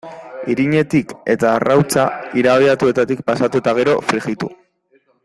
Irinetik eta arrautza irabiatuetatik pasatu eta gero, frijitu.